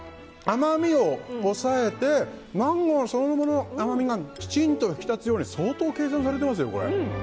甘みを抑えてマンゴーそのものの甘みがきちんと引き立つように相当計算されてますよ、これ。